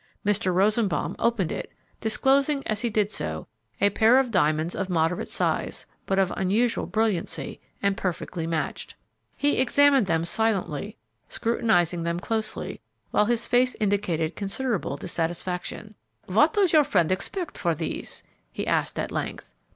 Mr. Rosenbaum opened it, disclosing, as he did so, a pair of diamonds of moderate size, but of unusual brilliancy and perfectly matched. He examined them silently, scrutinizing them closely, while his face indicated considerable dissatisfaction. "What does your friend expect for these?" he asked at length.